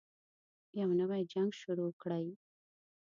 يو نـوی جـنګ شروع كړئ.